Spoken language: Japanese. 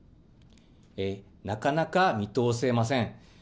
なかなか見通せません。